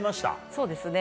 そうですね。